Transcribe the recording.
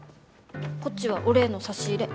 こっちはお礼の差し入れ。